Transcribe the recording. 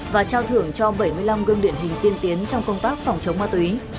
và trao thưởng cho bảy mươi năm gương điển hình tiên tiến trong công tác phòng chống ma túy